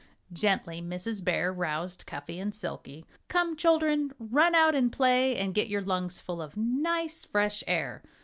Gently Mrs. Bear roused Cuffy and Silkie. "Come, children! Run out and play and get your lungs full of nice, fresh air.